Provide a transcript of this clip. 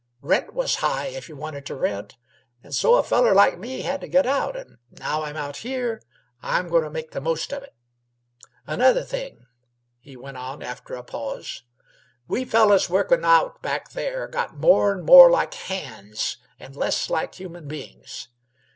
Rent was high, if you wanted t' rent, an' so a feller like me had t' get out, an' now I'm out here, I'm goin' t' make the most of it. Another thing," he went on, after a pause "we fellers workin' out back there got more 'n' more like hands, an' less like human beings.